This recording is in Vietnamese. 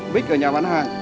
bích ở nhà bán hàng